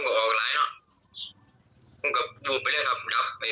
เอายังสู่กับเขา